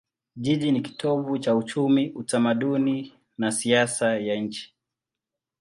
Jiji ni kitovu cha uchumi, utamaduni na siasa ya nchi.